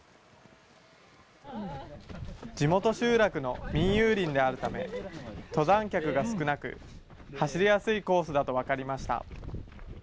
地元集落の民有林であるため、登山客が少なく、走りやすいコースだと分かりました。